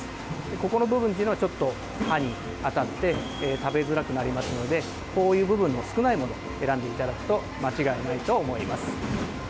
ここの部分というのが歯に当たって食べづらくなりますのでこういう部分の少ないものを選んでいただくと間違いないと思います。